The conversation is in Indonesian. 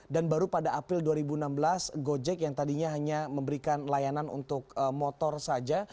dan baru pada april dua ribu enam belas gojek yang tadinya hanya memberikan layanan untuk motor saja